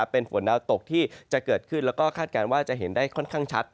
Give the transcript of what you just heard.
เป็นฝนดาวตกที่จะเกิดขึ้นแล้วก็คาดการณ์ว่าจะเห็นได้ค่อนข้างชัด